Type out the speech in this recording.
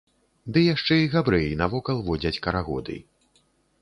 Ды яшчэ і габрэі навокал водзяць карагоды!